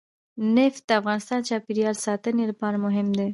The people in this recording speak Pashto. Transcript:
نفت د افغانستان د چاپیریال ساتنې لپاره مهم دي.